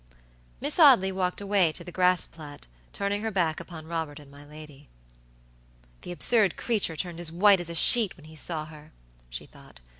Miss Audley walked away to the grass plat, turning her back upon Robert and my lady. "The absurd creature turned as white as a sheet when he saw her," she thought.